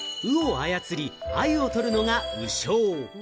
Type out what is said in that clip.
鵜を操り、アユを取るのが鵜匠。